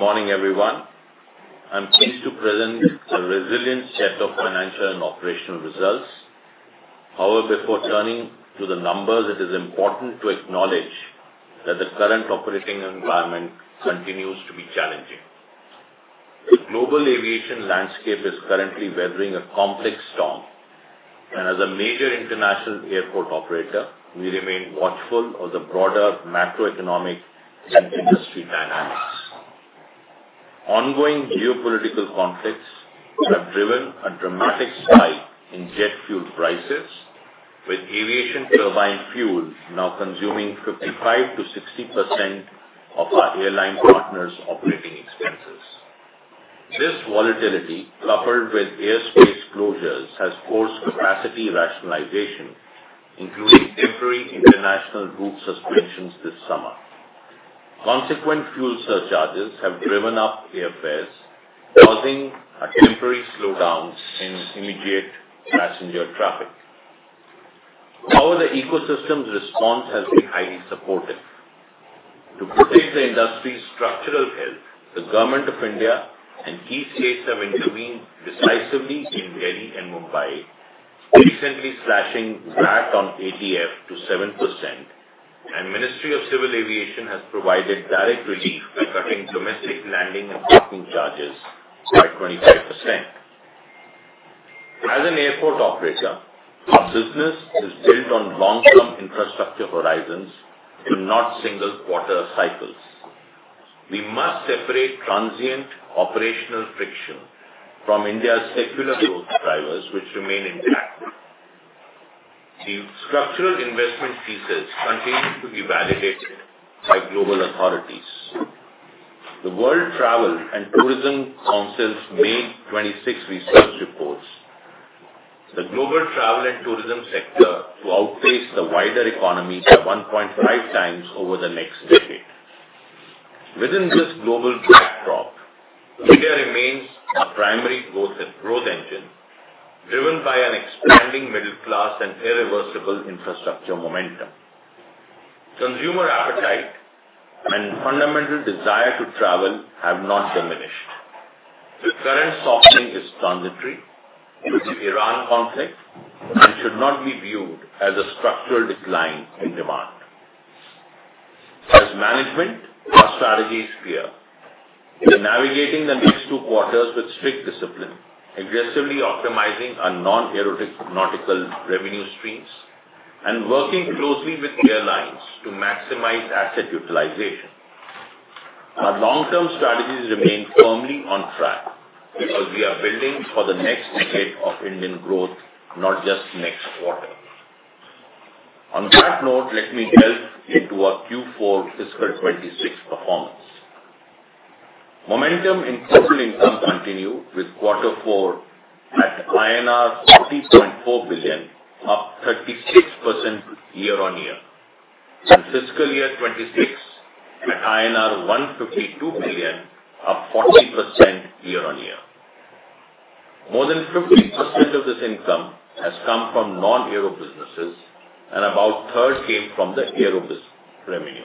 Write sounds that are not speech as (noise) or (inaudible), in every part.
Good morning, everyone. I'm pleased to present a resilient set of financial and operational results. Before turning to the numbers, it is important to acknowledge that the current operating environment continues to be challenging. The global aviation landscape is currently weathering a complex storm, and as a major international airport operator, we remain watchful of the broader macroeconomic and industry dynamics. Ongoing geopolitical conflicts have driven a dramatic spike in jet fuel prices, with aviation turbine fuel now consuming 55%-60% of our airline partners' operating expenses. This volatility, coupled with airspace closures, has forced capacity rationalization, including temporary international route suspensions this summer. Consequent fuel surcharges have driven up airfares, causing a temporary slowdown in immediate passenger traffic. The ecosystem's response has been highly supportive. To protect the industry's structural health, the Government of India and key states have intervened decisively in Delhi and Mumbai, recently slashing VAT on ATF to 7%, and Ministry of Civil Aviation has provided direct relief by cutting domestic landing and parking charges by 25%. As an airport operator, our business is built on long-term infrastructure horizons and not single-quarter cycles. We must separate transient operational friction from India's secular growth drivers, which remain intact. The structural investment thesis continues to be validated by global authorities. The World Travel & Tourism Council's May 26 research reports the global travel and tourism sector to outpace the wider economy by 1.5 times over the next decade. Within this global backdrop, India remains our primary growth engine, driven by an expanding middle class and irreversible infrastructure momentum. Consumer appetite and fundamental desire to travel have not diminished. The current softening is transitory due to the Iran conflict and should not be viewed as a structural decline in demand. As management, our strategy is clear. We are navigating the next two quarters with strict discipline, aggressively optimizing our non-aeronautical revenue streams, and working closely with airlines to maximize asset utilization. Our long-term strategies remain firmly on track as we are building for the next decade of Indian growth, not just next quarter. On that note, let me delve into our Q4 fiscal 2026 performance. Momentum in total income continued with quarter four at INR 40.4 billion, up 36% year-on-year, and fiscal year 2026 at INR 152 billion, up 40% year-on-year. More than 50% of this income has come from non-aero businesses, and about a third came from the aero revenue.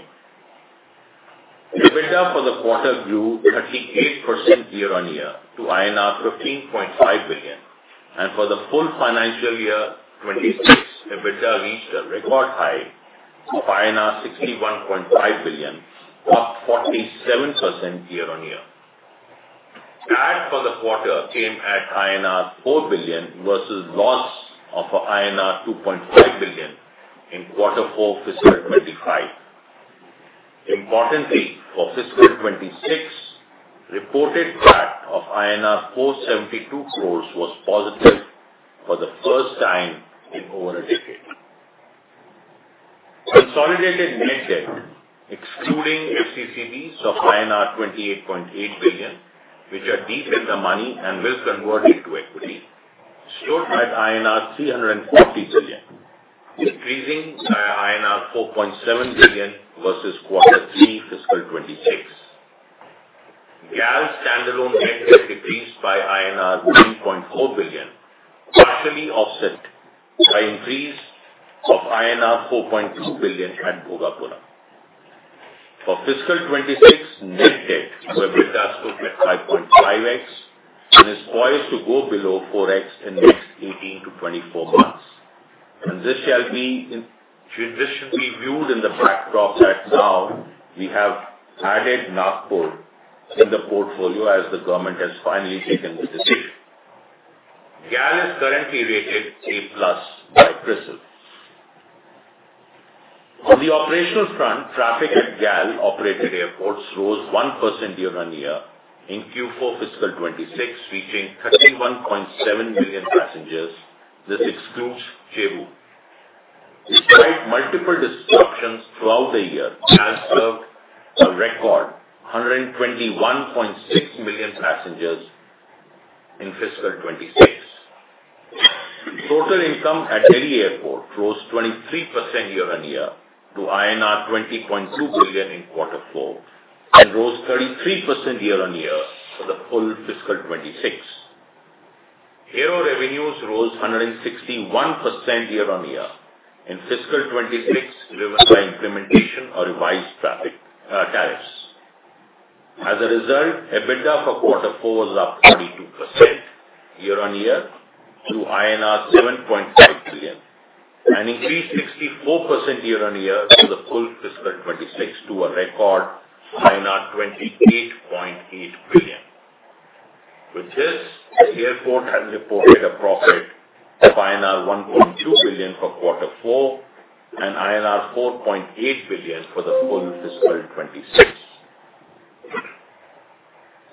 EBITDA for the quarter grew 38% year on year to INR 15.5 billion, and for the full financial year 2026, EBITDA reached a record high of INR 61.5 billion, up 47% year-on-year. PAT for the quarter came at INR 4 billion versus loss of INR 2.5 billion in Q4 FY 2025. Importantly, for FY 2026, reported PAT of INR 472 crore was positive for the first time in over a decade. Consolidated net debt, excluding FCCBs of INR 28.8 billion, which are deep in the money and will convert into equity, stood at INR 340 billion, decreasing by INR 4.7 billion versus Q3 FY 2026. GAL standalone net debt decreased by INR 3.4 billion, partially offset by increase of INR 4.2 billion at Bhogapuram. For fiscal 2026, net debt to EBITDA stood at 5.5x and is poised to go below 4x in the next 18 to 24 months. This should be viewed in the backdrop that now we have added Nagpur in the portfolio as the government has finally taken the decision. GAL is currently rated A+ by CRISIL. On the operational front, traffic at GAL-operated airports rose 1% year-on-year in Q4 fiscal 2026, reaching 31.7 million passengers. This excludes Cebu. Despite multiple disruptions throughout the year, GAL served a record 121.6 million passengers in fiscal 2026. Total income at Delhi airport rose 23% year-on-year to INR 20.2 billion in quarter four and rose 33% year-on-year for the full fiscal 2026. Aero revenues rose 161% year-on-year in fiscal 2026, driven by the implementation of revised traffic tariffs. As a result, EBITDA for quarter four was up 32% year-on-year to INR 7.5 billion, and increased 64% year-on-year for the full fiscal 2026 to a record 28.8 billion. With this, the airport has reported a profit of INR 1.2 billion for quarter four and INR 4.8 billion for the full fiscal 2026.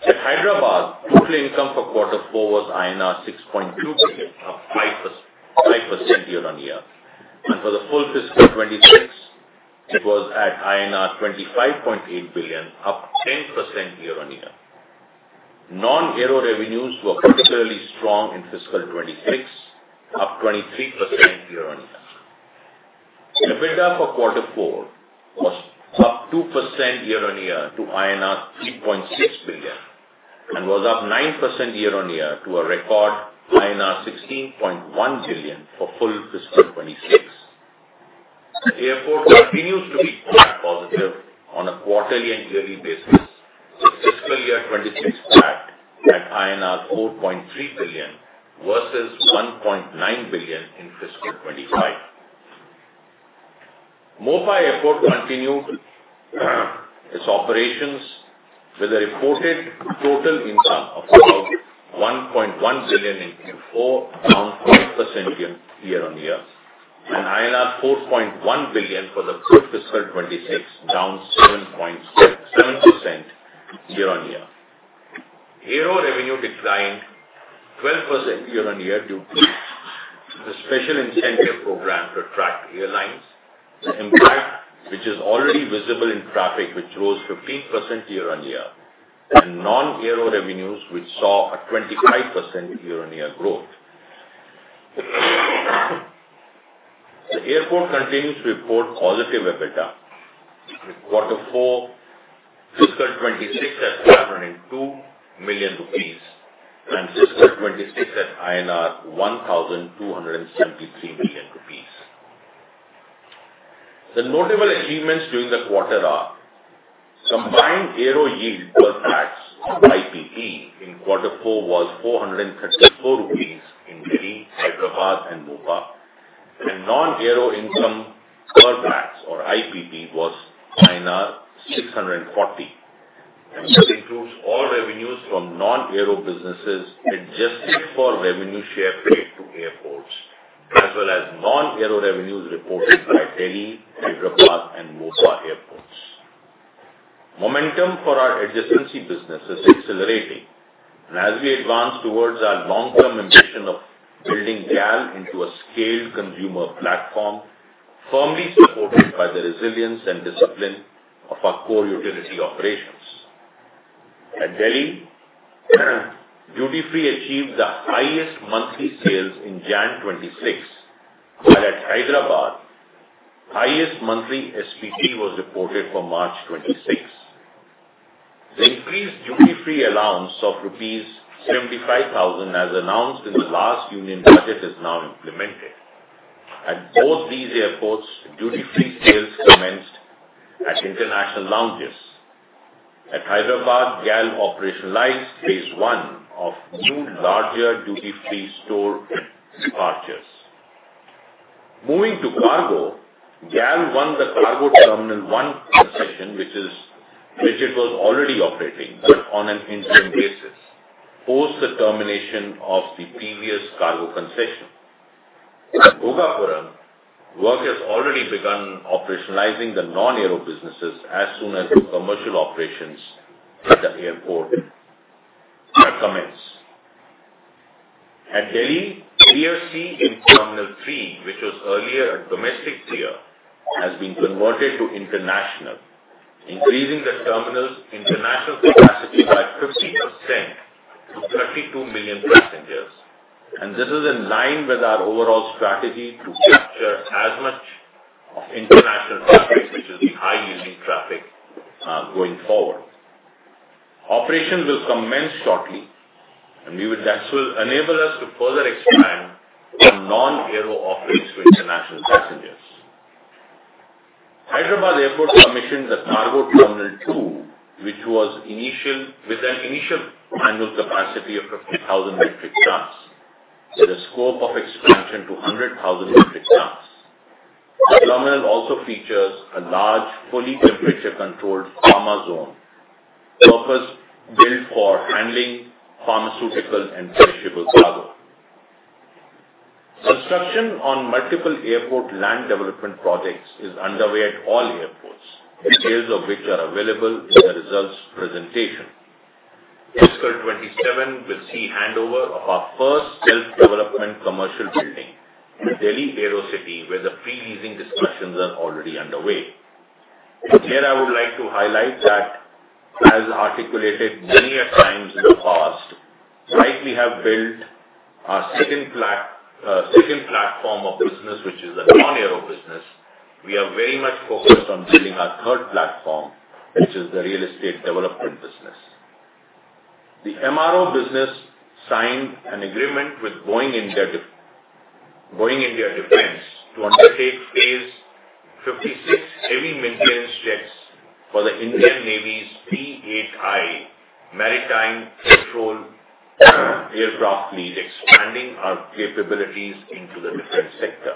At Hyderabad, total income for quarter four was INR 6.2 billion, up 5% year-on-year. For the full fiscal 2026, it was at INR 25.8 billion, up 10% year-on-year. Non-aero revenues were particularly strong in fiscal 2026, up 23% year-on-year. EBITDA for quarter four was up 2% year-on-year to INR 3.6 billion and was up 9% year-on-year to a record INR 16.1 billion for full fiscal 2026. The airport continues to be PAT-positive on a quarterly and yearly basis, with FY 2026 PAT at INR 4.3 billion versus 1.9 billion in FY 2025. Mopa Airport continued its operations with a reported total income of about 1.1 billion in Q4, down 5% year-over-year, and INR 4.1 billion for the full FY 2026, down 7% year-over-year. Aero revenue declined 12% year-over-year due to the special incentive program to attract airlines, the impact which is already visible in traffic, which rose 15% year-over-year, and non-aero revenues which saw a 25% year-over-year growth. The airport continues to report positive EBITDA with Q4 FY 2026 at INR 502 million, and FY 2026 at INR 1,273 million. The notable achievements during the quarter are combined aero yield per pax or YPP in Q4 was 434 rupees in Delhi, Hyderabad and Mopa, and non-aero income per pax or IPP was 640, and this includes all revenues from non-aero businesses adjusted for revenue share paid to airports, as well as non-aero revenues reported by Delhi, Hyderabad, and Mopa airports. Momentum for our adjacency business is accelerating, and as we advance towards our long-term ambition of building GAL into a scaled consumer platform, firmly supported by the resilience and discipline of our core utility operations. At Delhi, duty-free achieved the highest monthly sales in January 2026. While at Hyderabad, highest monthly SPP was reported for March 2026. The increased duty-free allowance of 75,000 rupees, as announced in the last Union Budget, is now implemented. At both these airports, duty-free sales commenced at international lounges. At Hyderabad, GAL operationalized phase one of new larger duty-free store departures. Moving to cargo, GAL won the Cargo Terminal 1 concession which it was already operating, but on an interim basis, post the termination of the previous cargo concession. At Bhogapuram, work has already begun operationalizing the non-aero businesses as soon as the commercial operations at that airport are commenced. At Delhi, Pier C in Terminal 3, which was earlier a domestic pier, has been converted to international, increasing the terminal's international capacity by 50% to 32 million passengers. This is in line with our overall strategy to capture as much of international traffic, which is the high-yielding traffic, going forward. Operations will commence shortly, that will enable us to further expand our non-aero offerings to international passengers. Hyderabad Airport commissioned Cargo Terminal 2 with an initial annual capacity of 50,000 metric tons with a scope of expansion to 100,000 metric tons. The terminal also features a large fully temperature controlled pharma zone, purpose-built for handling pharmaceutical and perishable cargo. Construction on multiple airport land development projects is underway at all airports, details of which are available in the results presentation. Fiscal 2027 will see handover of our first self-development commercial building in Delhi Aerocity, where the pre-leasing discussions are already underway. Here I would like to highlight that as articulated many a times in the past, right we have built our second platform of business. We are very much focused on building our third platform, which is the real estate development business. The MRO business signed an agreement with Boeing Defence India to undertake Phase 56 heavy maintenance checks for the Indian Navy's P-8I maritime patrol aircraft lease, expanding our capabilities into the defense sector.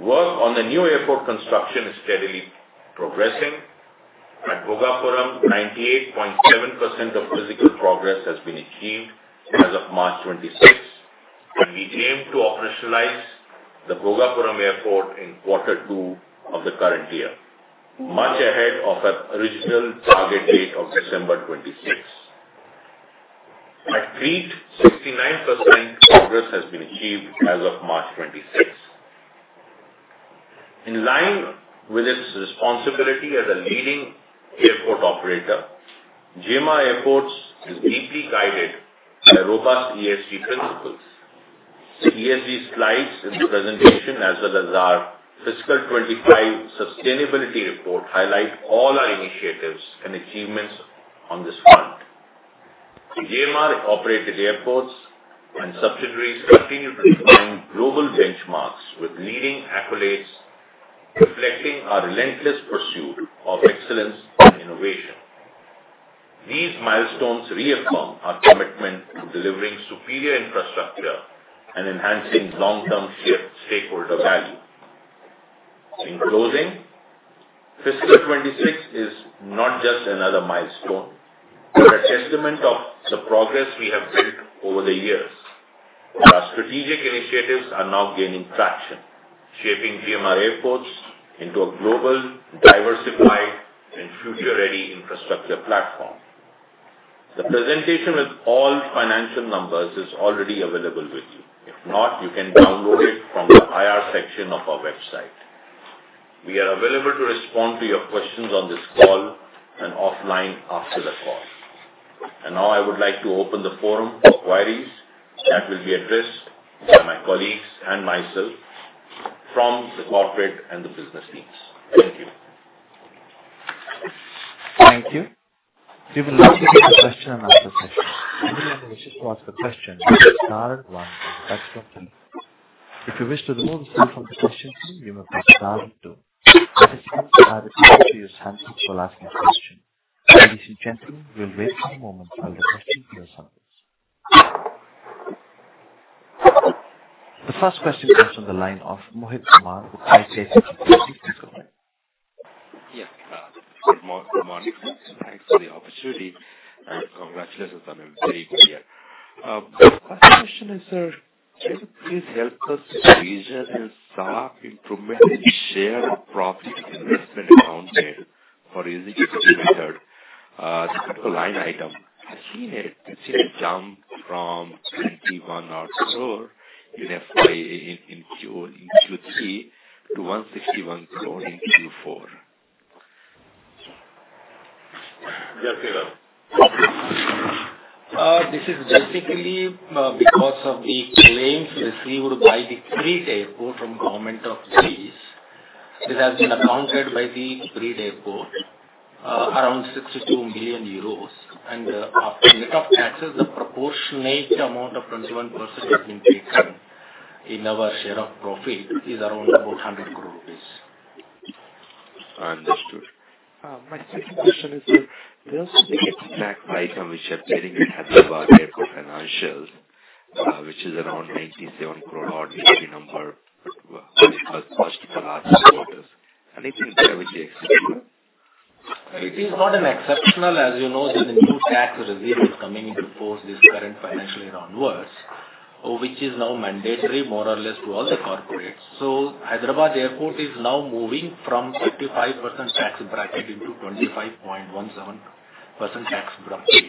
Work on the new airport construction is steadily progressing. At Bhogapuram, 98.7% of physical progress has been achieved as of March 26. We aim to operationalize the Bhogapuram Airport in quarter two of the current year, much ahead of our original target date of December 2026. At Crete, 69% progress has been achieved as of March 26. In line with its responsibility as a leading airport operator, GMR Airports is deeply guided by robust ESG principles. The ESG slides in the presentation as well as our fiscal 2025 sustainability report highlight all our initiatives and achievements on this front. GMR-operated airports and subsidiaries continue to define global benchmarks with leading accolades, reflecting our relentless pursuit of excellence and innovation. These milestones reaffirm our commitment to delivering superior infrastructure and enhancing long-term shareholder value. In closing, fiscal 2026 is not just another milestone, but a testament of the progress we have built over the years. Our strategic initiatives are now gaining traction, shaping GMR Airports into a global, diversified, and future-ready infrastructure platform. The presentation with all financial numbers is already available with you. If not, you can download it from the IR section of our website. We are available to respond to your questions on this call and offline after the call. Now I would like to open the forum for queries that will be addressed by my colleagues and myself from the corporate and the business teams. Thank you. Thank you. We will now begin the question-and answer-session. Anybody who wishes to ask a question, press star and one in your touch-tone phone. If you wish to withdraw yourself from the question queue, you may press star and two. At this time, I would like to give you a chance for asking a question. Ladies and gentlemen, we will wait for a moment while the questions are submitted. The first question comes from the line of Mohit Kumar from ICICI Securities. Please go ahead. Good morning. Thanks for the opportunity. Congratulations on a very good year. My first question is, sir, can you please help us with the reason? There's sharp improvement in share of profit of investment accounted for using equity method. The particular line item has seen a jump from 21 crore in FY in Q3 to 161 crore in Q4. G.R.K.? This is basically because of the claims received by the Crete Airport from Government of Greece. This has been accounted for by the Crete Airport, around 62 million euros. After net of taxes, the proportionate amount of 21% has been taken in our share of profit is around 100 crore rupees. Understood. My second question is, sir, there was a big tax item which appeared in the Hyderabad Airport financials, which is around INR 97 crore odd negative number but while it was positive for last three quarter. Anything there which is exceptional? It is not exceptional. As you know, there's a new tax regime coming into force this current financial year onwards, which is now mandatory more or less to all the corporates. Hyderabad Airport is now moving from 55% tax bracket into 25.17% tax bracket.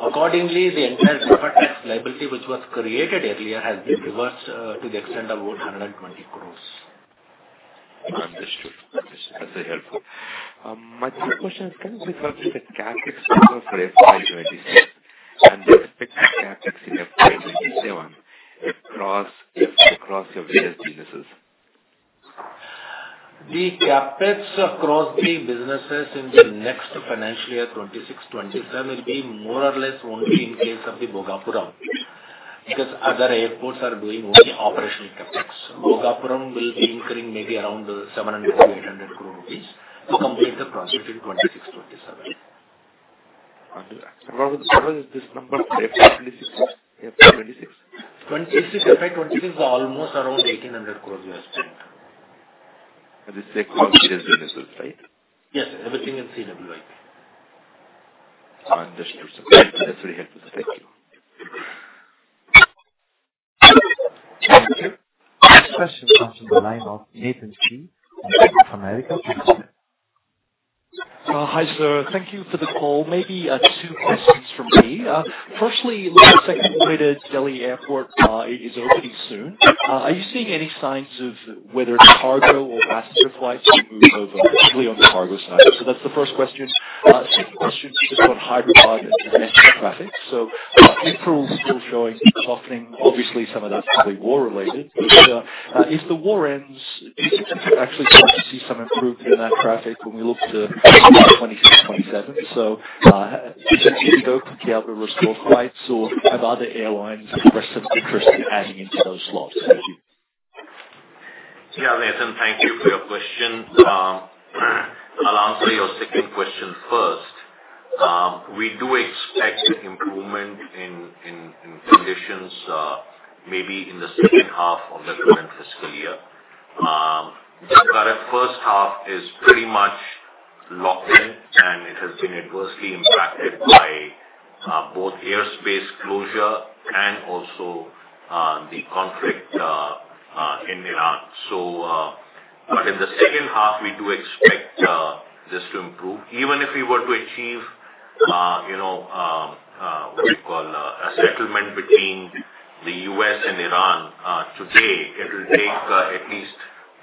Accordingly, the entire corporate tax liability, which was created earlier, has been reversed to the extent of 120 crore. Understood. That's very helpful. My third question is can you just walk through the CapEx number for FY 2026 and the expected CapEx in FY 2027 across your various businesses? The CapEx across the businesses in the next financial year 2026, 2027 will be more or less only in case of the Bhogapuram, because other airports are doing only operational CapEx. Bhogapuram will be incurring maybe around 700 crore-800 crore rupees to complete the project in 2026, 2027. Understood. What was this number for FY 2026, sir? FY 2026? FY 2026 was almost around 1,800 crore we have spent. This across various businesses, right? Yes, sir. Everything in CWIP. Understood, sir. That's very helpful. Thank you. Thank you. Next question comes from the line of Nathan Gee from Bank of America. Please go ahead. Hi, sir. Thank you for the call. Maybe two questions from me. Firstly, the second runway at Delhi Airport is opening soon. Are you seeing any signs of whether cargo or passenger flights? That's the first question. Second question is just on Hyderabad and domestic traffic. April is still showing a softening. Obviously, some of that's probably war related. If the war ends, do you expect to actually start to see some improvement in that traffic when we look to 2026, 2027? Do you think IndiGo could be able to restore flights or have other airlines expressed some interest in adding into those slots? Thank you. Nathan, thank you for your question. I'll answer your second question first. We do expect improvement in conditions maybe in the second half of the current fiscal year. The current first half is pretty much locked in, and it has been adversely impacted by both airspace closure and also the conflict in Iran. In the second half, we do expect this to improve. Even if we were to achieve what do you call a settlement between the U.S. and Iran today, it will take at least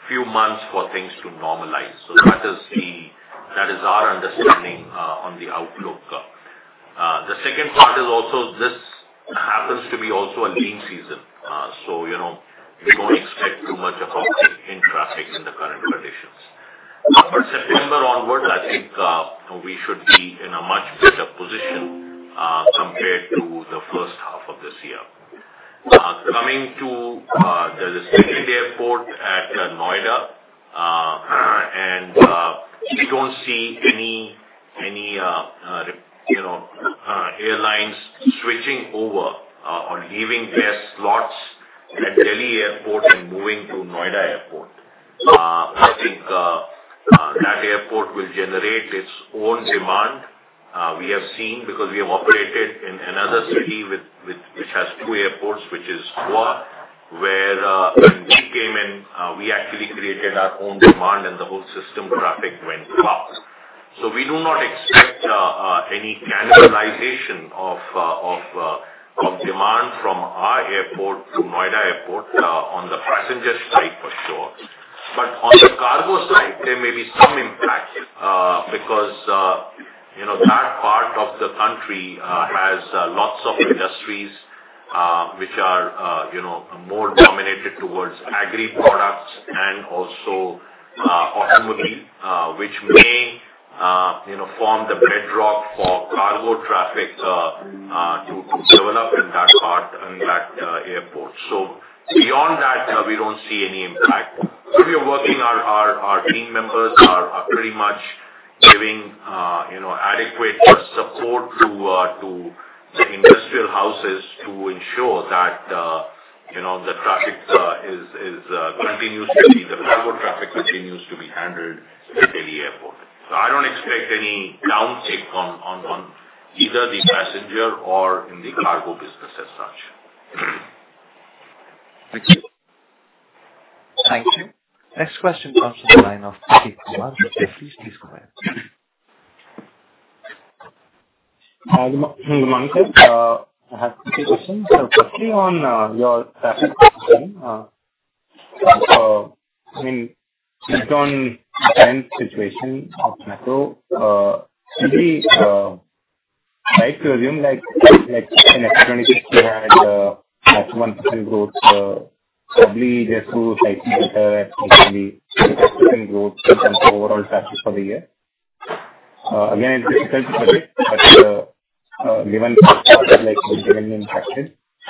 a few months for things to normalize. That is our understanding on the outlook. The second part is also this happens to be also a lean season. We don't expect too much of an increase in traffic in the current conditions. September onwards, I think we should be in a much better position compared to the first half of this year. Coming to the second airport at Noida, we don't see any airlines switching over or giving their slots at Delhi Airport and moving to Noida Airport. I think that airport will generate its own demand. We have seen because we have operated in another city which has two airports, which is Goa, where when we came in, we actually created our own demand and the whole system traffic went up. We do not expect any cannibalization of demand from our airport to Noida Airport on the passenger side, for sure. On the cargo side, there may be some impact because that part of the country has lots of industries which are more dominated towards agri products and also automotive which may form the bedrock for cargo traffic to develop in that airport. Beyond that, we don't see any impact. We are working. Our team members are pretty much giving adequate support to the industrial houses to ensure that the cargo traffic continues to be handled at Delhi Airport. I don't expect any downside on either the passenger or in the cargo business as such. Thank you. Thank you. Next question comes from the line of Prateek Kumar with Jefferies. Please go ahead. Hi, Good morning, sir. I have two questions. Firstly, on your traffic question, based on the current situation of macro, should we try to assume like in FY 2026, you had maximum single growth, probably just to slightly better at maybe 3% to 5% growth in terms of overall traffic for the year? Again, it's difficult to predict, but given the impact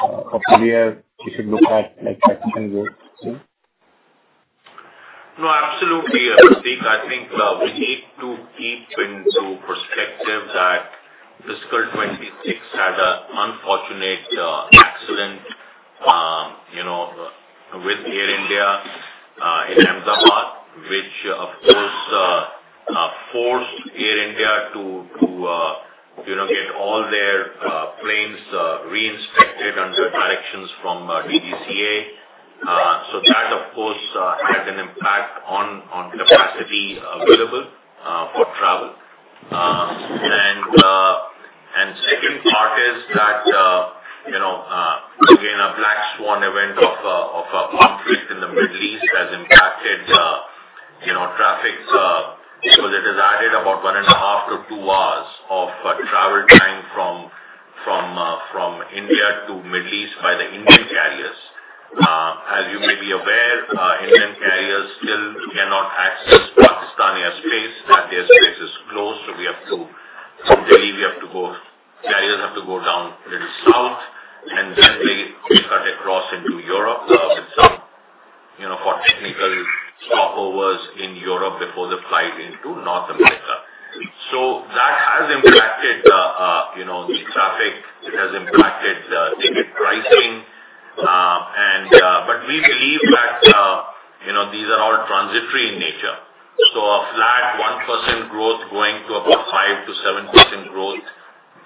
of previous, we should look at like 5% growth soon. No, absolutely, Prateek. I think we need to keep into perspective that fiscal 2026 had an unfortunate accident with Air India in Ahmedabad, which, of course, forced Air India to get all their planes re-inspected under directions from DGCA. That, of course, had an impact on capacity available for travel. Second part is that again, a black swan event of a conflict in the Middle East has impacted traffic because it has added about one and a half to two hours of travel time from India to Middle East by the Indian carriers. As you may be aware, Indian carriers still cannot access Pakistani airspace. That airspace is closed. From Delhi, carriers have to go down a little south, and then they cut across into Europe with some technical stopovers in Europe before they fly into North America. That has impacted the traffic. It has impacted ticket pricing. We believe that these are all transitory in nature. A flat 1% growth going to about 5%-7% growth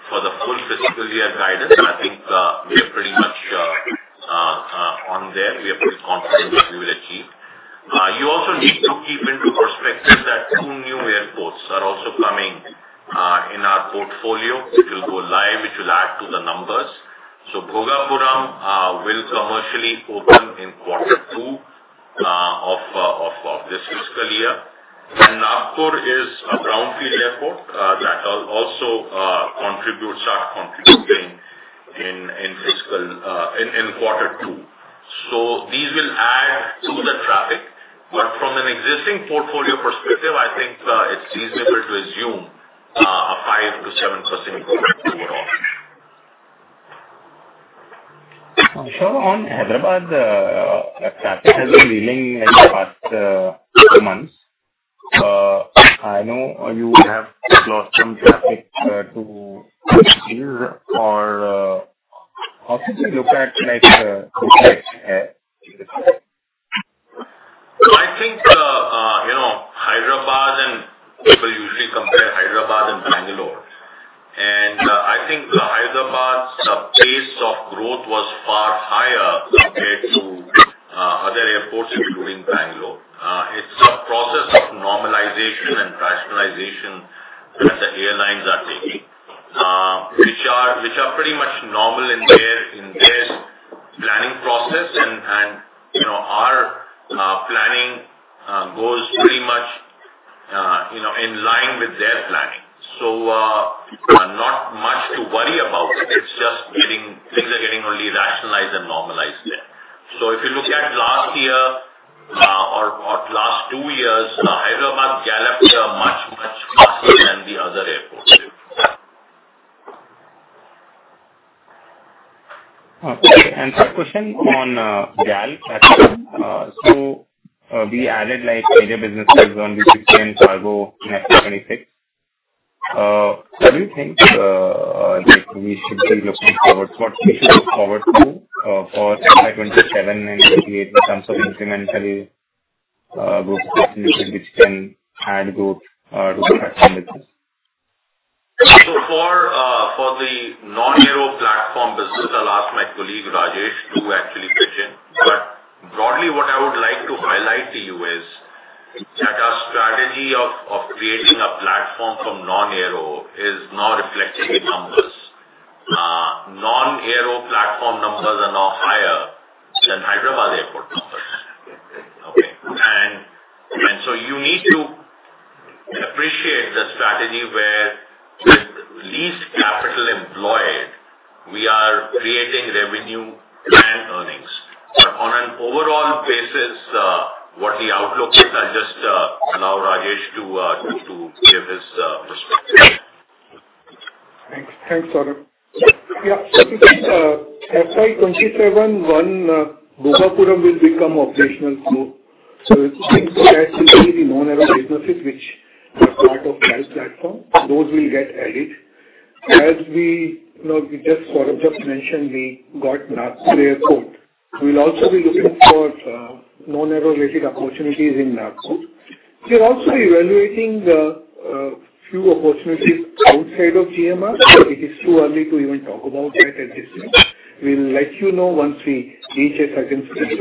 for the full fiscal year guidance, I think we are pretty much on there. We are pretty confident that we will achieve. You also need to keep into perspective that two new airports in our portfolio, it will go live, it will add to the numbers. Bhogapuram will commercially open in quarter two of this fiscal year. Nagpur is a brownfield airport that will also start contributing in quarter two. These will add to the traffic. From an existing portfolio perspective, I think it's reasonable to assume a 5%-7% growth overall. Sure. On Hyderabad, traffic has been declining in the past few months. I know you have lost some traffic to or how should we look at that in the quarter? I think people usually compare Hyderabad and Bangalore, and I think Hyderabad's pace of growth was far higher can add growth to the platform business? For the non-aero platform business, I'll ask my colleague Rajesh to actually pitch in. Broadly, what I would like to highlight to you is that our strategy of creating a platform from non-aero is now reflecting in numbers. Non-aero platform numbers are now higher than Hyderabad Airport numbers. Okay. You need to appreciate the strategy where with least capital employed, we are creating revenue and earnings. On an overall basis, what the outlook is, I'll just allow Rajesh to give his perspective. Thanks, Saurabh. FY 2027, Bhogapuram will become operational soon. It seems to add significantly non-aero businesses, which are part of GAL platform. Those will get added. Saurabh just mentioned, we got Nagpur Airport. We'll also be looking for non-aero related opportunities in Nagpur. We are also evaluating a few opportunities outside of GMR. It is too early to even talk about that at this point. We'll let you know once we reach a certain speed.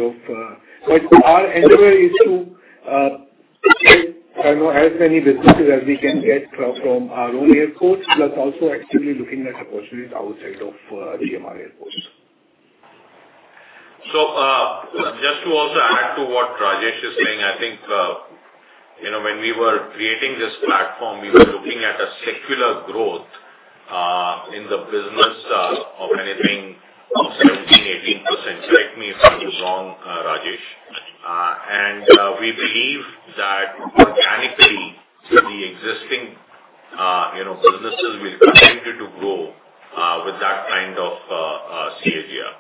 Our endeavor is to get as many businesses as we can get from our own airports, also actively looking at opportunities outside of GMR Airports. Just to also add to what Rajesh is saying, I think when we were creating this platform, we were looking at a secular growth in the business of anything of 17%-18%, correct me if I'm wrong, Rajesh. We believe that organically, the existing businesses will continue to grow with that kind of CAGR.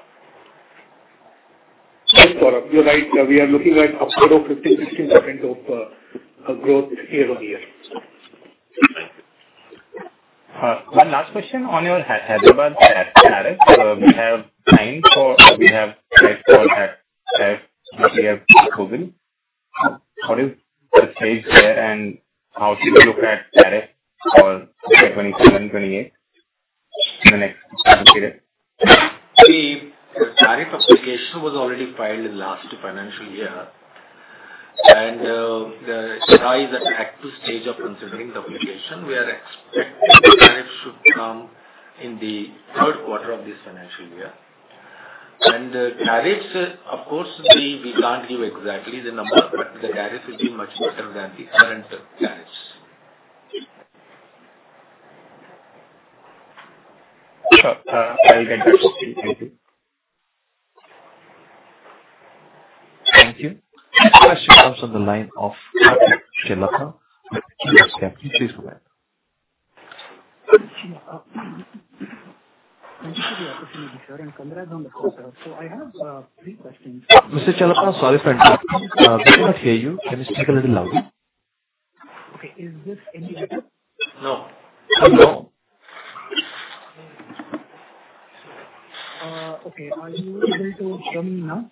Thanks, Saurabh. You're right. We are looking at upward of 15, 16% of growth year-over-year. One last question on your Hyderabad tariffs. We have price for that, which we have given. What is the phase there and how should we look at tariff for FY 2027, 2028 in the next tariff period? The tariff application was already filed in last financial year, and the RI is at active stage of considering the application. We are expecting the tariff should come in the third quarter of this financial year. The tariffs, of course, we can't give exactly the number, but the tariff will be much better than the current tariffs. Sure. I get that. Thank you. Thank you. Next question comes on the line of Karthik Chellappa with Indus Capital. Please go ahead. Thank you for the opportunity, sir, and congrats on the quarter. I have three questions. Mr. Chellappa, sorry for interrupting. We cannot hear you. Can you speak a little louder? Okay. Is this any better? No. No. Okay. Are you able to hear me now?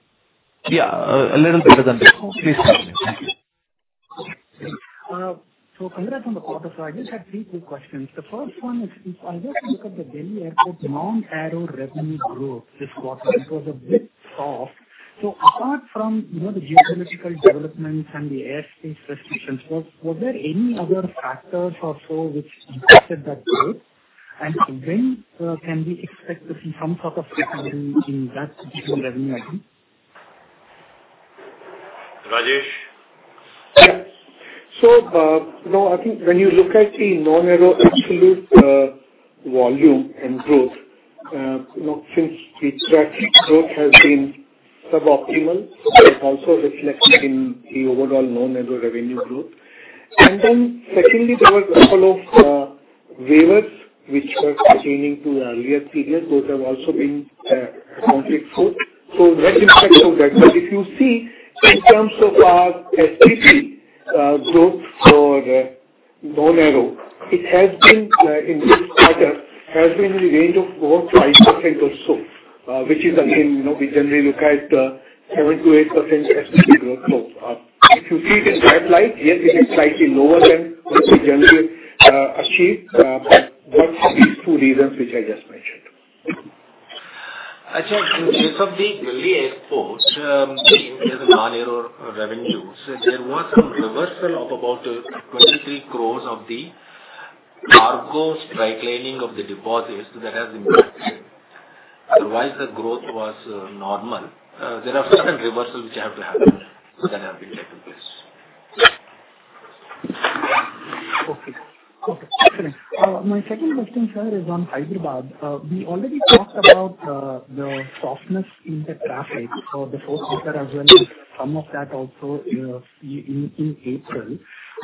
Yeah, a little better than before. Please continue. Thank you. Congrats on the quarter, sir. I just had three quick questions. The first one is, if I were to look at the Delhi Airport non-aero revenue growth this quarter, it was a bit soft. Apart from the geopolitical developments and the airspace restrictions, was there any other factors or so which impacted that growth? When can we expect to see some sort of recovery in that particular revenue item? Rajesh? Yes. I think when you look at the non-aero absolute volume and growth, since the traffic growth has been suboptimal, it is also reflected in the overall non-aero revenue growth. Secondly, there were a couple of waivers which were pertaining to earlier periods. Those have also been accounted for. Net impact of that. If you see in terms of our SPP growth for non-aero, it has been in this quarter, has been in the range of about 5% or so, which is again, we generally look at 7%-8% SPP growth. If you see it in that light, yes, it is slightly lower than what we generally achieve. Those are these two reasons which I just mentioned. In case of the Delhi Airport, in terms of non-aero revenues, there was some reversal of about 23 crore of the cargo straight-lining of the deposits that has impacted. Otherwise, the growth was normal. There are certain reversals which have to happen that have been taking place. Okay. Excellent. My second question, sir, is on Hyderabad. We already talked about the softness in the traffic for the fourth quarter as well as some of that also in April.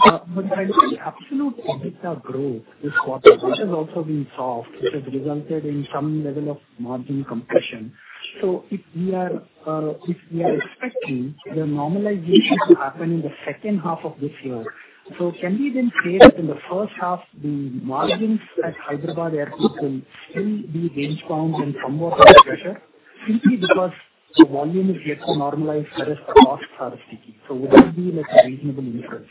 The absolute EBITDA growth this quarter, which has also been soft, which has resulted in some level of margin compression. If we are expecting the normalization to happen in the second half of this year, can we then say that in the first half, the margins at Hyderabad Airport will still be range-bound and somewhat under pressure simply because the volume is yet to normalize whereas the costs are sticky. Would that be a reasonable inference?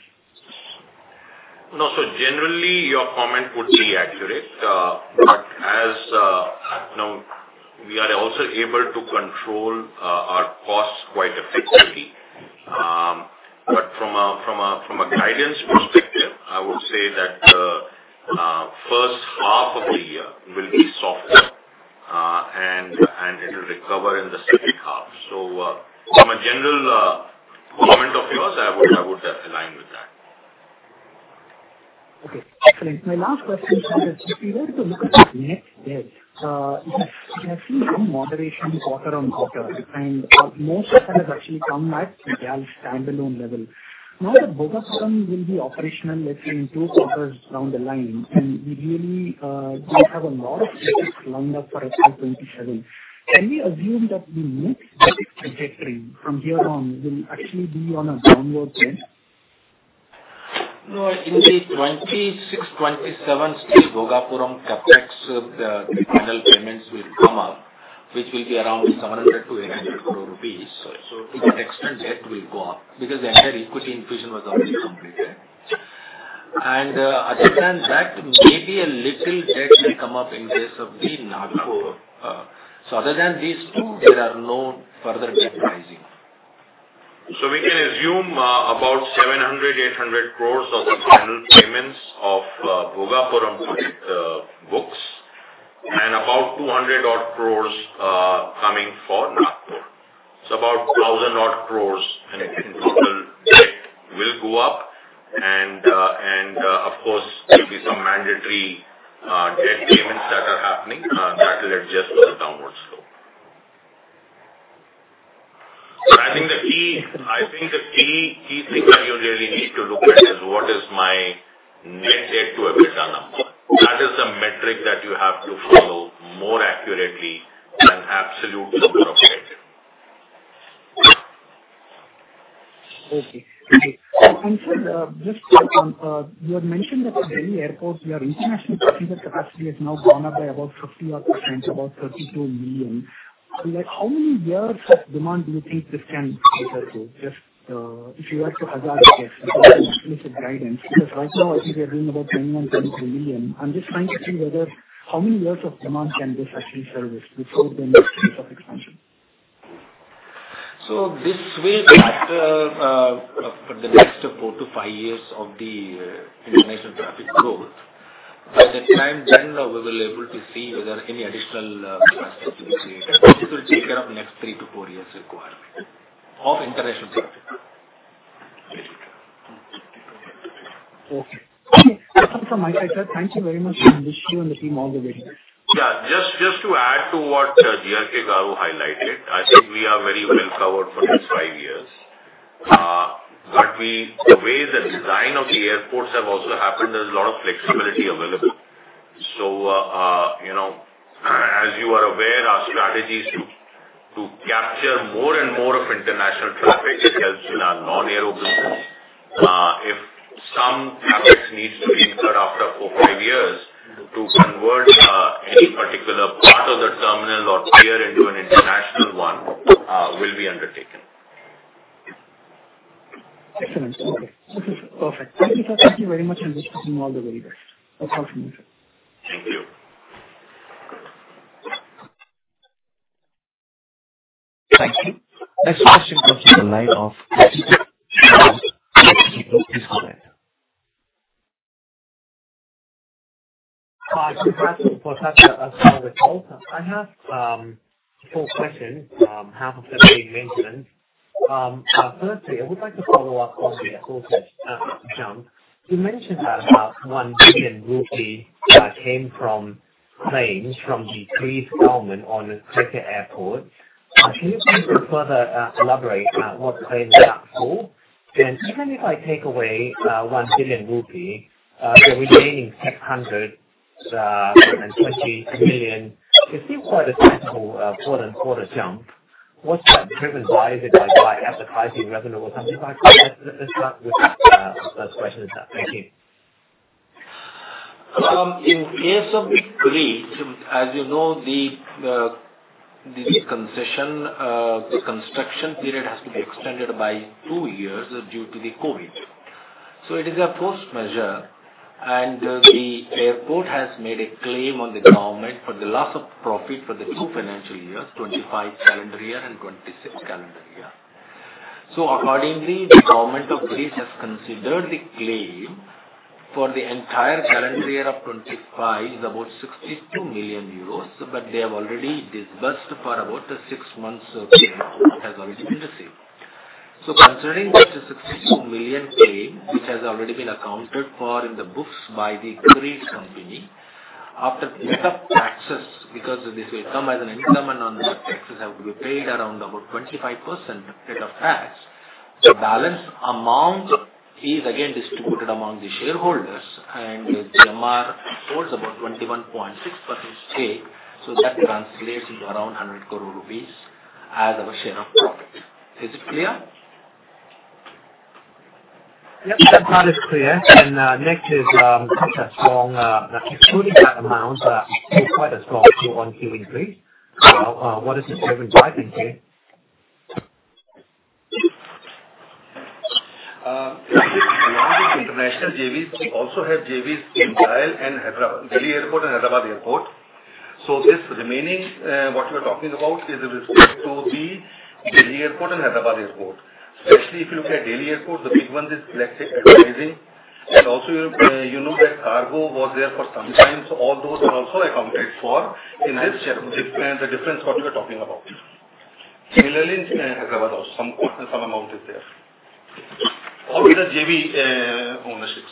No. Generally, your comment would be accurate. We are also able to control our costs quite effectively. From a guidance perspective, I would say that the first half of the year will be softer, and it will recover in the second half. From a general comment of yours, I would align with that. Okay, excellent. My last question, sir, is just if we were to look at the net debt, we have seen some moderation quarter-on-quarter, and most of that has actually come at the GAL standalone level. Now that Bhogapuram will be operational, let's say, in two quarters down the line, and we really don't have a lot of CapEx lined up for FY 2027, can we assume that the net debt trajectory from here on will actually be on a downward trend? No. In 2026-2027, the Bhogapuram CapEx, the final payments will come up, which will be around 700 crore-800 crore rupees. The net expense debt will go up because the entire equity infusion was already completed. Other than that, maybe a little debt will come up in case of the Nagpur. Other than these two, there are no further debt risings. We can assume about 700 crore-800 crore of the final payments of Bhogapuram on its books and about 200 odd crore coming for Nagpur. About 1,000 odd crore in total debt will go up, and of course, there will be some mandatory debt payments that are happening that will adjust for the downward slope. I think the key thing that you really need to look at is what is my net debt to EBITDA number. That is the metric that you have to follow more accurately than the absolute number of debts. Okay. Sir, just to confirm, you had mentioned that at Delhi Airport, your international passenger capacity has now gone up by about 50%, about 32 million. How many years of demand do you think this can cater to? Just if you had to hazard a guess, some specific guidance, because right now I think we are doing about 21 million, 22 million. I'm just trying to see how many years of demand can this actually service before there needs to be expansion. This will cater for the next four to five years of the international traffic growth. By that time, we will able to see whether any additional capacity will be created. This will take care of next three to four years requirement of international traffic. Okay. That's all from my side, sir. Thank you very much, and wish you and the team all the very best. Just to add to what G.R.K. Garu highlighted, I think we are very well covered for the next five years. The way the design of the airports have also happened, there's a lot of flexibility available. As you are aware, our strategy is to capture more and more of international traffic that helps in our non-aero business. If some CapEx needs to be incurred after four, five years to convert any particular part of the terminal or pier into an international one, will be undertaken. Excellent. Okay. This is perfect. Thank you, sir. Thank you very much, and wish you and all the very best. Talk to you soon. Thank you. Thank you. Next question will be the line of Kaseedit (audio distortion) Hi. Congrats for such a strong result. I have four questions, half of them being mentioned. Firstly, I would like to follow up on the quarter jump. You mentioned about 1 billion rupee came from claims from the Greece Government on Crete Airport. Can you please further elaborate what the claims are for? Even if I take away 1 billion rupee, the remaining 720 million is still quite a sizable quarter-on-quarter jump. What's that driven by? Is it by advertising revenue or something like that? Let's start with that first question. Thank you. In case of Greece, as you know, the construction period has to be extended by two years due to the COVID. It is a cost measure, and the airport has made a claim on the government for the loss of profit for the two financial years, 2025 calendar year and 2026 calendar year. Accordingly, the government of Greece has considered the claim for the entire calendar year of 2025 is about 62 million euros, but they have already disbursed for about the six months of claim has already been received. Considering that 62 million claim, which has already been accounted for in the books by the Crete company, after net of taxes, because this will come as an increment on that, taxes have to be paid around about 25% rate of tax. The balance amount is again distributed among the shareholders. GMR holds about 21.6% stake. That translates into around 100 crore rupees as our share of profit. Is it clear? Yep, that part is clear. Next is such a strong, excluding that amount, still quite a strong Q1 in Greece. What is the driving force here? Kaseedit, we have international JVs, we also have JVs in Delhi Airport and Hyderabad Airport. This remaining, what you are talking about is with respect to the Delhi Airport and Hyderabad Airport. Especially if you look at Delhi Airport, the big one is and also, you know that cargo was there for some time. All those are also accounted for in the difference what you are talking about. Similarly, in Hyderabad also, some amount is there. All these are JV ownerships.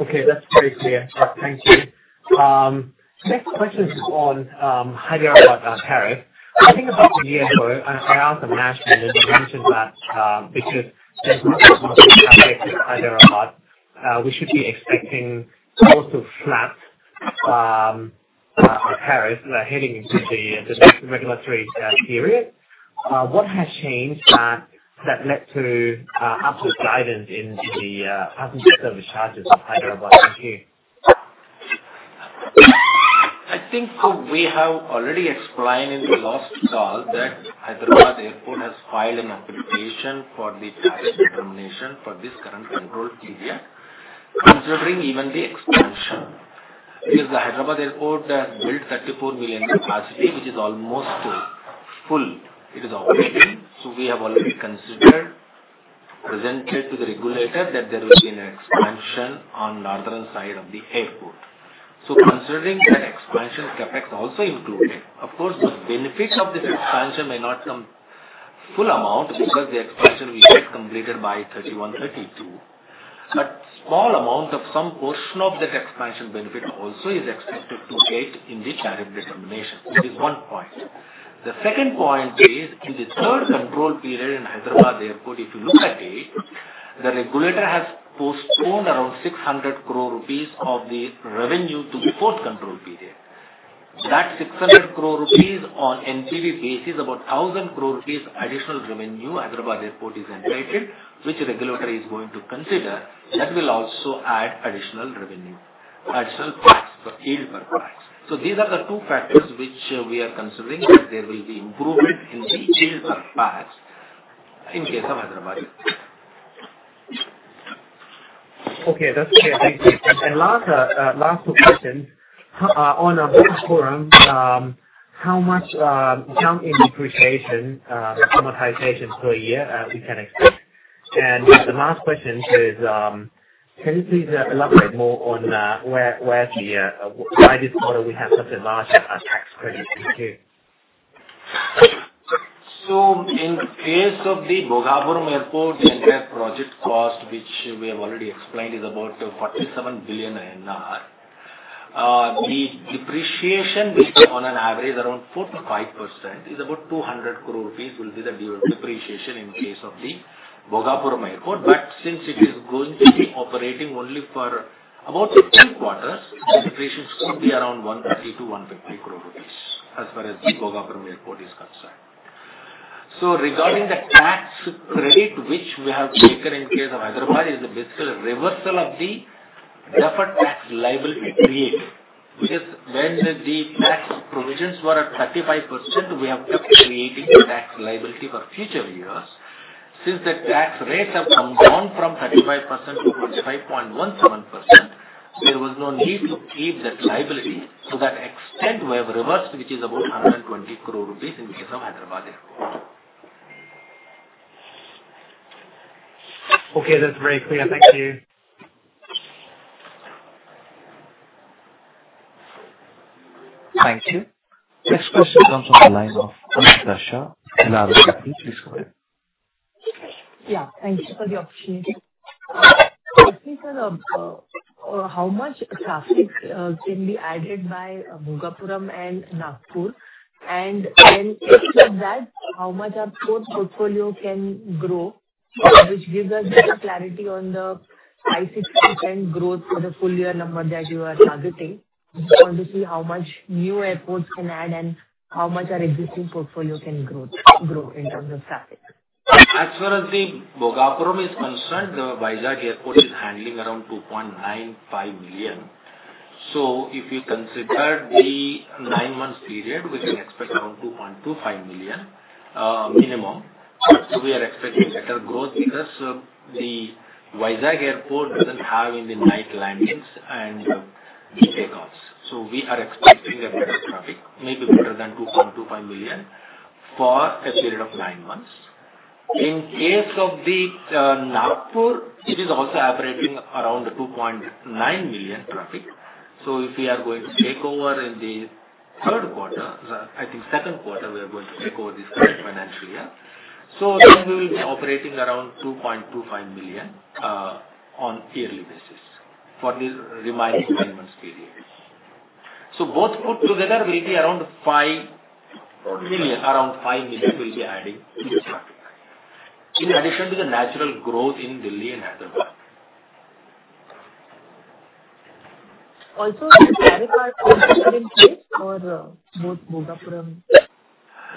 Okay, that's very clear. Thank you. Next question is on Hyderabad tariff. I think about a year ago, I asked the management and you mentioned that because there's not much traffic to Hyderabad, we should be expecting also flat tariffs heading into the next regulatory period. What has changed that led to upward guidance in the passenger service charges in Hyderabad? Thank you. I think we have already explained in the last call that Hyderabad Airport has filed an application for the tariff determination for this current control period, considering even the expansion. The Hyderabad Airport has built 34 million capacity, which is almost full. It is operating. We have already considered, presented to the regulator that there will be an expansion on northern side of the airport. Considering that expansion CapEx also included, of course, the benefits of this expansion may not come full amount because the expansion we get completed by 2031, 2032, but small amount of some portion of that expansion benefit also is expected to get in the tariff determination. This is one point. The second point is, in the third control period in Hyderabad Airport, if you look at it, the regulator has postponed around 600 crore rupees of the revenue to the fourth control period. That 600 crore rupees on NPV basis, about 1,000 crore rupees additional revenue Hyderabad Airport is entitled, which the regulator is going to consider. That will also add additional revenue, additional PAT, EBITDA PAT. These are the two factors which we are considering that there will be improvement in the yield per pax in case of Hyderabad. Okay, that's clear. Thank you. Last two questions. On Bhogapuram Airport, how much jump in depreciation, the amortizations per year we can expect? The last question is, can you please elaborate more on why this quarter we have such a large tax credit? Thank you. In case of the Bhogapuram Airport, the entire project cost, which we have already explained, is about 47 billion. The depreciation will be on an average around 4%-5%, is about 200 crore rupees will be the depreciation in case of the Bhogapuram Airport. Since it is going to be operating only for about three quarters, the depreciation should be around 150 crore-150 crore rupees as far as the Bhogapuram Airport is concerned. Regarding the tax credit, which we have taken in case of Hyderabad, is basically a reversal of the deferred tax liability created. When the tax provisions were at 35%, we have kept creating a tax liability for future years. Since the tax rates have come down from 35% to 25.17%, there was no need to keep that liability. That extent we have reversed, which is about 120 crore rupees in case of Hyderabad Airport. Okay, that's very clear. Thank you. Thank you. Next question comes on the line of Ankita Shah, Elara Capital. Please go ahead. Yeah, thank you for the opportunity. Firstly, sir, how much traffic can be added by Bhogapuram and Nagpur? Except that, how much our total portfolio can grow, which gives us better clarity on the 5%-6% growth for the full year number that you are targeting. Just want to see how much new airports can add and how much our existing portfolio can grow in terms of traffic. As far as the Bhogapuram is concerned, the Vizag Airport is handling around 2.95 million. If you consider the nine months period, we can expect around 2.25 million, minimum. We are expecting better growth because the Vizag Airport doesn't have any night landings and takeoffs. We are expecting a better traffic, maybe better than 2.25 million for a period of nine months. In case of the Nagpur, it is also operating around the 2.9 million traffic. If we are going to take over in the third quarter, I think second quarter, we are going to take over this current financial year. Then we will be operating around 2.25 million on yearly basis for the remaining nine months period. Both put together will be around 5 million we'll be adding in this traffic. In addition to the natural growth in Delhi and Hyderabad. Also, any tariff applications in place for both Bhogapuram and-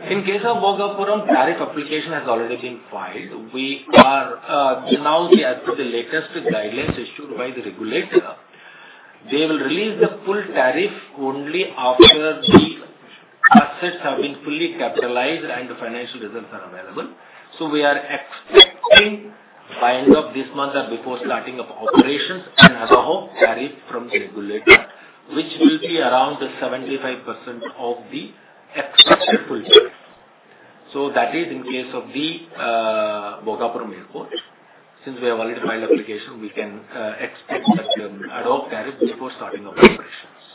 In case of Bhogapuram, tariff application has already been filed. As per the latest guidelines issued by the regulator, they will release the full tariff only after the assets have been fully capitalized and the financial results are available. We are expecting by end of this month or before starting of operations, an ad hoc tariff from the regulator, which will be around 75% of the expected full tariff. That is in case of the Bhogapuram Airport. Since we have already filed application, we can expect ad hoc tariff before starting operations.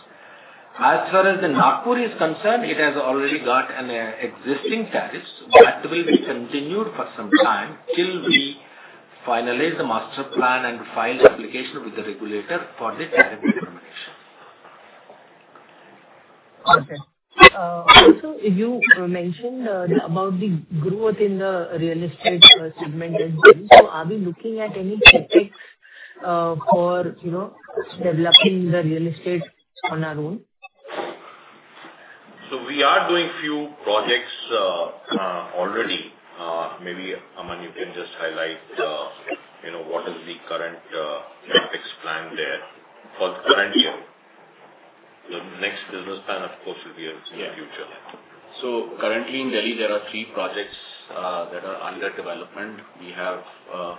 As far as the Nagpur is concerned, it has already got existing tariffs. That will be continued for some time till we finalize the master plan and file the application with the regulator for the tariff determination. Okay. Also, you mentioned about the growth in the real estate segment as well. Are we looking at any CapEx for developing the real estate on our own? We are doing few projects already. Maybe, Aman, you can just highlight what is the current CapEx plan there for the current year. The next business plan, of course, will be in the future. Currently in Delhi, there are three projects that are under development. We have a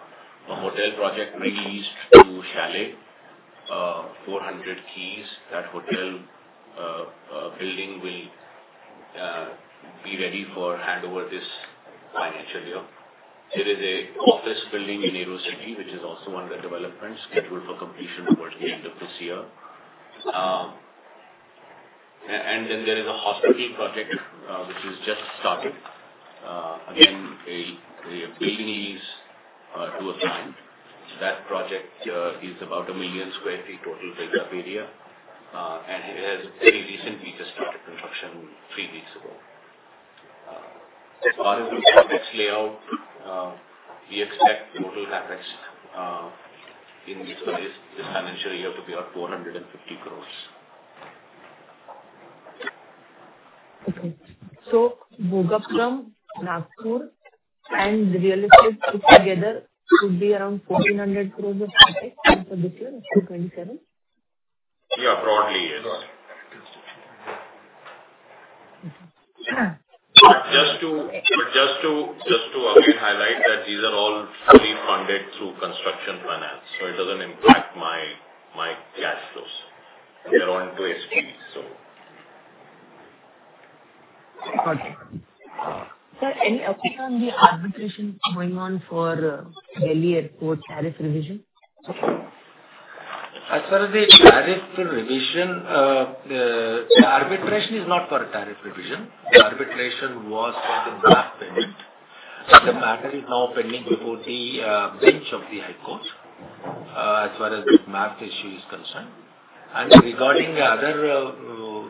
hotel project leased to Chalet, 400 keys. That hotel building will be ready for handover this financial year. There is an office building in Aerocity, which is also under development, scheduled for completion towards the end of this year. Then there is a hospitality project, which is just started. Again, a building lease to a client. That project is about 1 million sq ft total built-up area. It has very recently just started construction three weeks ago. As far as the CapEx layout, we expect total CapEx in this financial year to be around 450 crore. Okay. Bhogapuram, Nagpur, and real estate put together should be around 1,400 crore of CapEx for this year, FY 2027? Yeah, broadly, yes. Sure. Just to again highlight that these are all fully funded through construction finance, so it doesn't impact my cash flows. They're on to SPV. Got you. Sir, any update on the arbitration going on for Delhi Airport tariff revision? As far as the tariff revision, arbitration is not for a tariff revision. Arbitration was for the MAF payment. The matter is now pending before the bench of the High Court, as far as the MAF issue is concerned. Regarding the other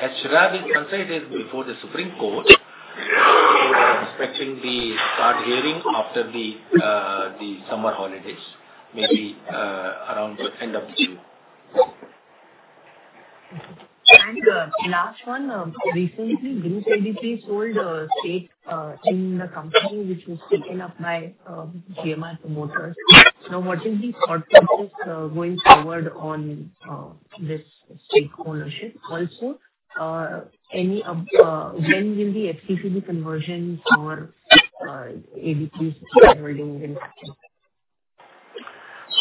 HRAB is concerned, it is before the Supreme Court. We are expecting the court hearing after the summer holidays, maybe around the end of June. Last one. Recently, Groupe ADP sold a stake in the company, which was taken up by GMR promoters. What is the thought process going forward on this stake ownership? When will the FCCB conversion for ADPs shareholding will happen?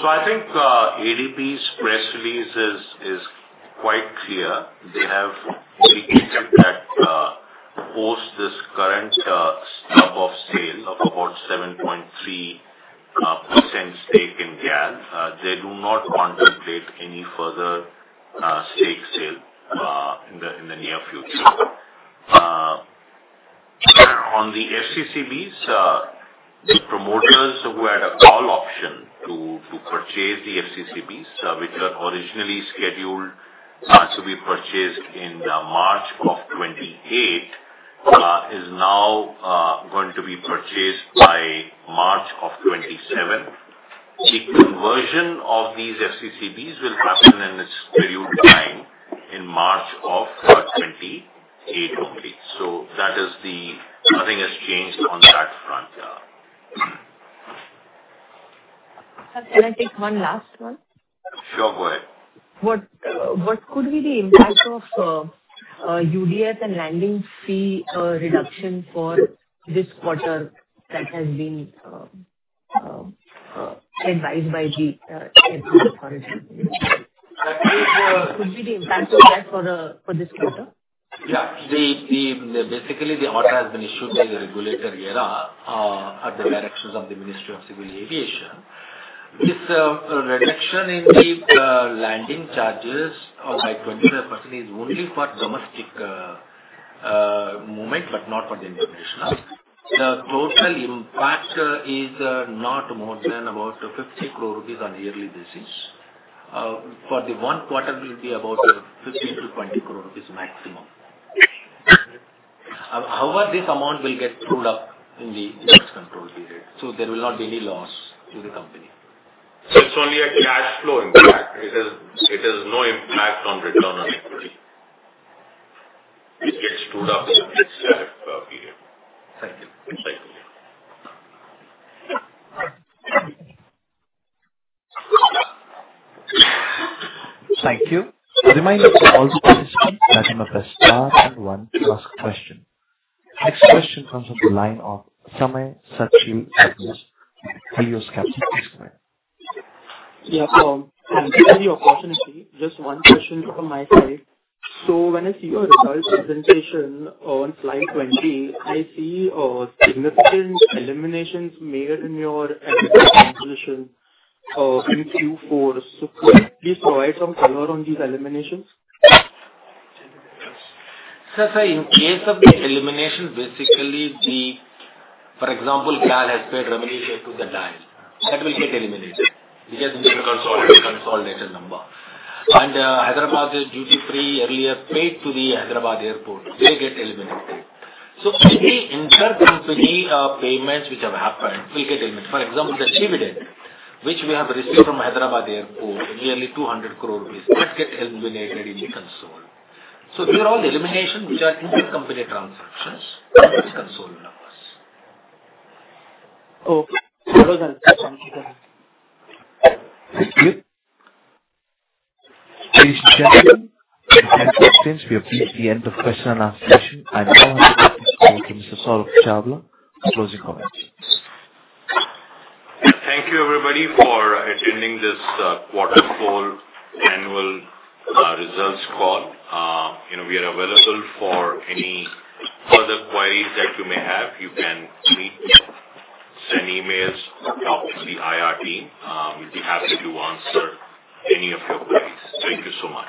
I think ADP's press release is quite clear. They have indicated that post this current stub of sale of about 7.3% stake in GAL, they do not contemplate any further stake sale in the near future. On the FCCBs, the promoters who had a call option to purchase the FCCBs, which were originally scheduled to be purchased in March of 2028, is now going to be purchased by March of 2027. The conversion of these FCCBs will happen in its scheduled time in March of 2028 only. Nothing has changed on that front. Can I take one last one? Sure, go ahead. What could be the impact of UDF and landing fee reduction for this quarter that has been advised by the authority? What could be the impact of that for this quarter? Yeah. Basically, the order has been issued by the regulator AERA at the directions of the Ministry of Civil Aviation. This reduction in the landing charges by 25% is only for domestic movement, but not for the international. The total impact is not more than about 50 crore rupees on a yearly basis. For the one quarter, it will be about 15 crore-20 crore rupees maximum. However, this amount will get pulled up in the next control period, so there will not be any loss to the company. It's only a cash flow impact. It has no impact on return on equity. It gets pulled up in the next period. Thank you. Thanks, sir. A reminder to all the participants that you may press star and one to ask a question. Next question comes on the line of Samay Sabnis, Helios Capital. Yes, Samay. Yeah. Thank you for the opportunity. Just one question from my side. When I see your results presentation on slide 20, I see significant eliminations made in your airport consolidation in Q4. Could you please provide some color on these eliminations? Sir, in case of the elimination, basically for example, GAL has paid revenue to the DIAL. That will get eliminated because we have a consolidated number. Hyderabad's duty-free earlier paid to the Hyderabad Airport, they get eliminated. Any intercompany payments which have happened will get eliminated. For example, the dividend, which we have received from Hyderabad Airport, nearly 200 crore rupees, that get eliminated in the consolidated. These are all eliminations, which are intercompany transactions from the consolidated numbers. Okay. That was an answer. Thank you very much. Thank you. Ladies and gentlemen, due to time constraints, we have reached the end of question-and-answer session. I now ask Mr. Saurabh Chawla to close the conference. Thank you, everybody, for attending this quarter full annual results call. We are available for any further queries that you may have. You can email us, talk to the IR team. We'll be happy to answer any of your queries. Thank you so much.